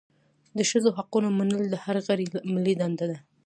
د ښځو حقونه منل د هر غړي ملي دنده ده.